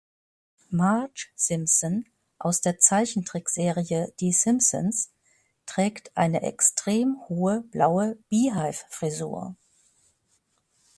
Marge Simpson aus der Zeichentrick-Serie "Die Simpsons" trägt eine extrem hohe blaue Beehive-Frisur.